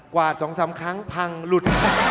กว่า๒๓ครั้งพังหลุด